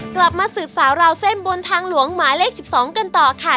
กลับมาสืบสาวราวเส้นบนทางหลวงหมายเลข๑๒กันต่อค่ะ